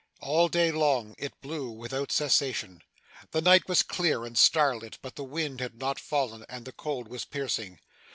All day long, it blew without cessation. The night was clear and starlit, but the wind had not fallen, and the cold was piercing.